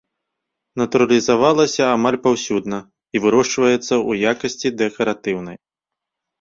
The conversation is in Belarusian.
Натуралізавалася амаль паўсюдна і вырошчваецца ў якасці дэкаратыўнай.